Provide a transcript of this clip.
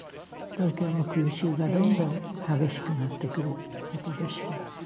東京の空襲がどんどん激しくなってくる事でした。